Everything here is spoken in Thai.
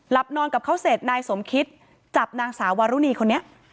นอนกับเขาเสร็จนายสมคิตจับนางสาววารุณีคนนี้